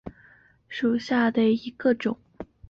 兰屿芋为天南星科落檐属下的一个种。